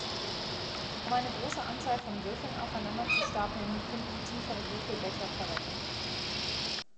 Um eine große Anzahl von Würfeln aufeinander zu stapeln, finden tiefere Würfelbecher Verwendung.